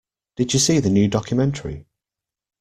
Did you see the new documentary?